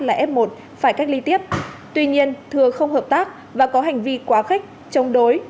là f một phải cách ly tiếp tuy nhiên thừa không hợp tác và có hành vi quá khích chống đối